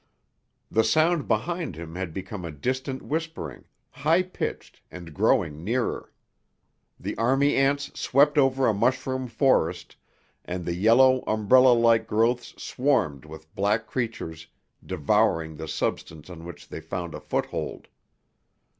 The sound behind him had become a distant whispering, high pitched, and growing nearer. The army ants swept over a mushroom forest, and the yellow, umbrella like growths swarmed with black creatures devouring the substance on which they found a foothold.